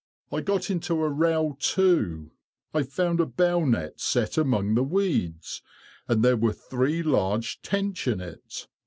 I got into a row, too. I found a bow net set among the weeds, and there were three large tench in it.